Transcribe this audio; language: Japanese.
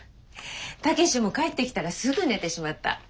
武志も帰ってきたらすぐ寝てしまった。